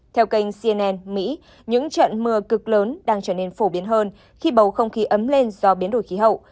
theo kênh cnn mỹ những trận mưa cực lớn đang trở nên phổ biến hơn khi bầu không khí ấm lên do biến đổi khí hậu